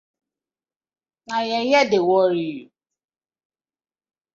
Na yeye dey worry you.